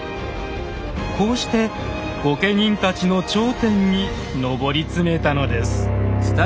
こうして御家人たちの頂点に上り詰めたのです。